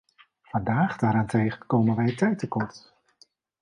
Vandaag daarentegen komen wij tijd tekort.